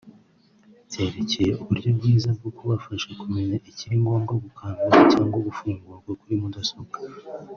byerekeye uburyo bwiza bwo kubasha kumenya ikiri ngombwa gukandwaho cyangwa gufungurwa kuri mudasobwa